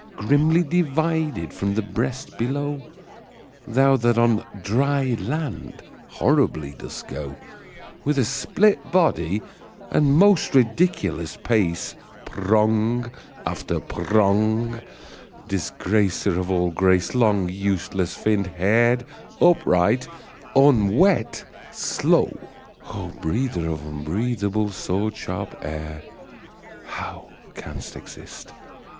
Grimly divided from the breast below ! Thou that on dry land horribly dost go With a split body and most ridiculous pace, Prong after prong, disgracer of all grace, Long useless finn'd, hair'd, upright, unwet, slow ! breather of unbreathable, sword sharp air, How canst exist